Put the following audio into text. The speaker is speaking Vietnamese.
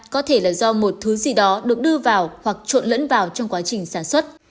có thể là do một thứ gì đó được đưa vào hoặc trộn lẫn vào trong quá trình sản xuất